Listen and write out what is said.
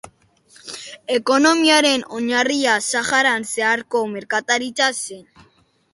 Ekonomiaren oinarria Saharan zeharko merkataritza zen.